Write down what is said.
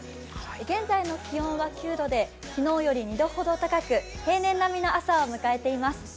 現在の気温は９度で昨日より２度ほど高く平年並みの朝を迎えています。